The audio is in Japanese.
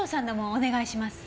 お願いします。